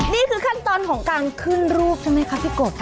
นี่คือขั้นตอนของการขึ้นรูปใช่ไหมคะพี่กบค่ะ